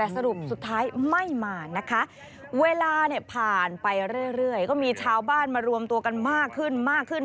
แต่สรุปสุดท้ายไม่มานะคะเวลาเนี่ยผ่านไปเรื่อยก็มีชาวบ้านมารวมตัวกันมากขึ้นมากขึ้น